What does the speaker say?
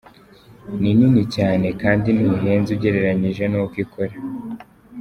Ni nini cyane kandi ntihenze ugereranyije n’uko ikora.